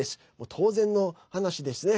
当然の話ですね。